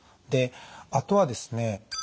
であとはですね